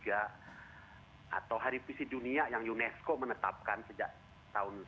atau hari puisi dunia yang unesco menetapkan sejak tahun seribu sembilan ratus sembilan puluh sembilan